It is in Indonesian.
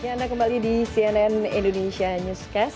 ya anda kembali di cnn indonesia newscast